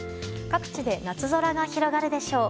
各地で夏空が広がるでしょう。